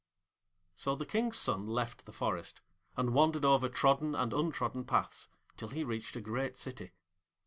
So the King's son left the forest, and wandered over trodden and untrodden paths till he reached a great city.